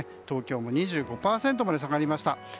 東京も２５％まで下がりました。